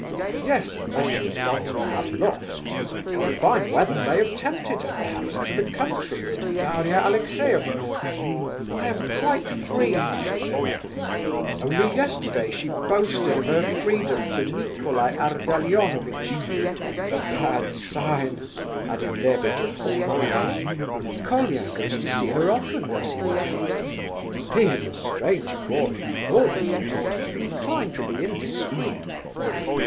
"Yes, unless she has gone to Pavlofsk: the fine weather may have tempted her, perhaps, into the country, with Daria Alexeyevna. 'I am quite free,' she says. Only yesterday she boasted of her freedom to Nicolai Ardalionovitch—a bad sign," added Lebedeff, smiling. "Colia goes to see her often, does he not?" "He is a strange boy, thoughtless, and inclined to be indiscreet."